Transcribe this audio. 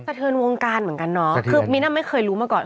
เทินวงการเหมือนกันเนาะคือมิ้นอ่ะไม่เคยรู้มาก่อน